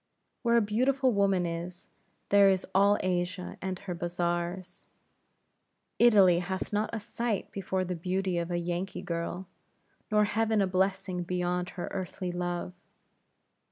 Where a beautiful woman is, there is all Asia and her Bazars. Italy hath not a sight before the beauty of a Yankee girl; nor heaven a blessing beyond her earthly love.